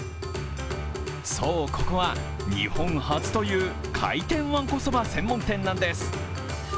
そう、ここは日本初という回転わんこそば専門店なんです。